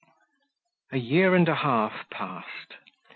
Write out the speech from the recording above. A year and a half passed.